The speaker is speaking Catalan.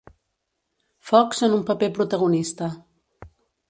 Fox en un paper protagonista.